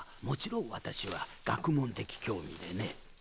もちろん私は学問的興味でね